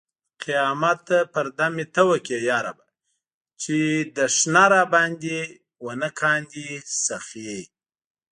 قیامت پرده مې ته اوکړې یا ربه! چې دښنه راباندې نه و کاندي سخې